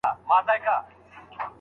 دا د کومو سترو امامانو شرعي قول دی؟